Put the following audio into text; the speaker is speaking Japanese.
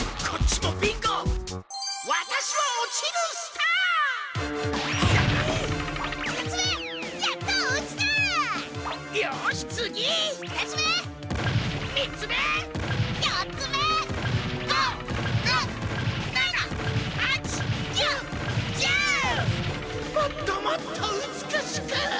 もっともっとうつくしく！